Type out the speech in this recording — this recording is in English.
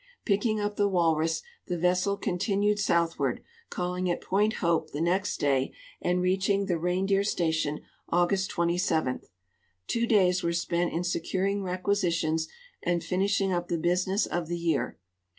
Picking up the walrus, the vessel continued south i\'ard, calling at point Hope the next day and reaching the rein deer station August 27. Two days were spent in securing requisi tions and finishing up the business of the year.